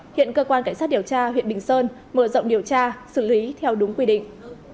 hiện cơ quan cảnh sát điều tra huyện bình sơn mở rộng điều tra xử lý theo đúng quy định